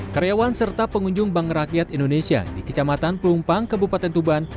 karyawan serta pengunjung bank rakyat indonesia di kecamatan pelumpang kebupaten tuban